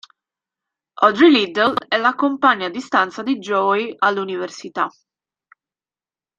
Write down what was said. Audrey Liddell è la compagna di stanza di Joey all'università.